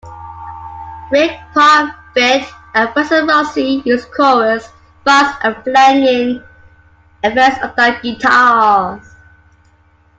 Rick Parfitt and Francis Rossi used chorus, fuzz and flanging effects on their guitars.